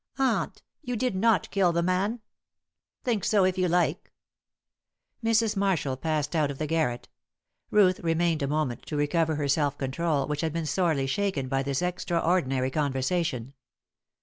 "Aunt! You did not kill the man?" "Think so if you like." Mrs. Marshall passed out of the garret. Ruth remained a moment to recover her self control which had been sorely shaken by this extraordinary conversation.